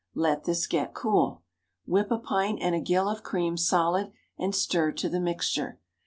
Let this get cool. Whip a pint and a gill of cream solid, and stir to the mixture.